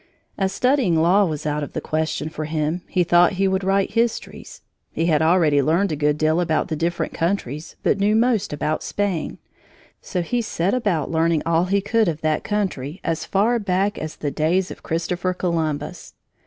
As studying law was out of the question for him, he thought he would write histories. He had already learned a good deal about the different countries but knew most about Spain. So he set about learning all he could of that country as far back as the days of Christopher Columbus.